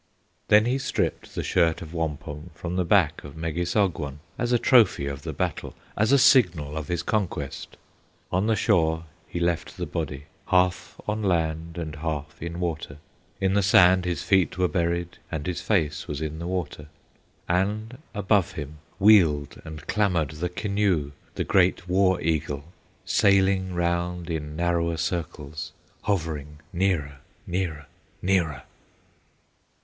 Then he stripped the shirt of wampum From the back of Megissogwon, As a trophy of the battle, As a signal of his conquest. On the shore he left the body, Half on land and half in water, In the sand his feet were buried, And his face was in the water. And above him, wheeled and clamored The Keneu, the great war eagle, Sailing round in narrower circles, Hovering nearer, nearer, nearer.